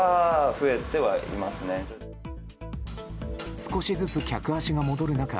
少しずつ客足が戻る中